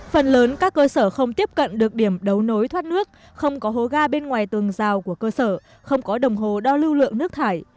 phần lớn các cơ sở không tiếp cận được điểm đấu nối thoát nước không có hố ga bên ngoài tường rào của cơ sở không có đồng hồ đo lưu lượng nước thải